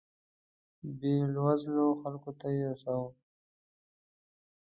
بیوزلو خلکو ته یې رسوو.